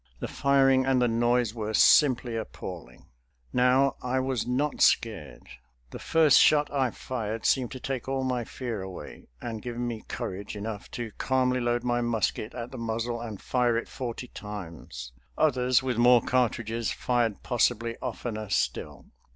The firing and the noise were simply appalling. Now, I was not scared. The first shot I fired seemed to take all my fear away and gave me courage enough to calmly load my musket at the muzzle and fire it forty times. Others, with more cartridges, fired possibly oftener still.